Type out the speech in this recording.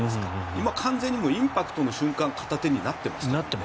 今完全にインパクトの瞬間片手になってましたよね。